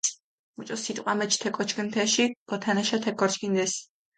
მუჭო სიტყვა მეჩ თე კოჩქჷნ თეში, გოთანაშა თექ გორჩქინდეს.